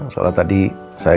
gak boleh dibedain